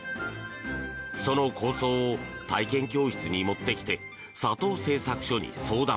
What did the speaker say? その構想を体験教室に持ってきて佐藤製作所に相談。